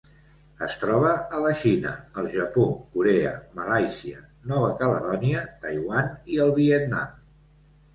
Es troba a la Xina, el Japó, Corea, Malàisia, Nova Caledònia, Taiwan i el Vietnam.